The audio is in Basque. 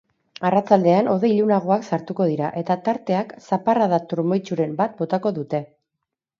Arratsaldean hodei ilunagoak sartuko dira eta tarteak zaparrada trumoitsuren bat botako dute.